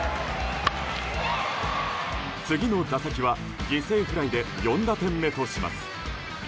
次の打席は犠牲フライで４打点目とします。